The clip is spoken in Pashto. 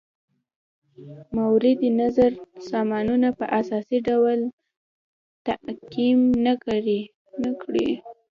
مورد نظر سامانونه په اساسي ډول تعقیم نه کړي.